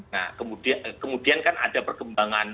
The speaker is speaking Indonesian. nah kemudian kan ada perkembangan